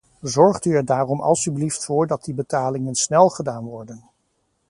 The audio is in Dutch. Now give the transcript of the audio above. Zorgt u er daarom alstublieft voor dat die betalingen snel gedaan worden.